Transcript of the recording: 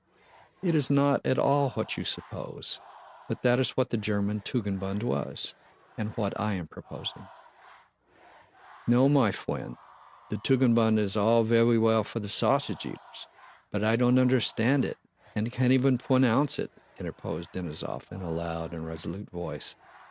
"It is not at all what you suppose; but that is what the German Tugendbund was, and what I am proposing." "No, my fwiend! The Tugendbund is all vewy well for the sausage eaters, but I don't understand it and can't even pwonounce it," interposed Denísov in a loud and resolute voice.